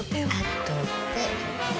後で。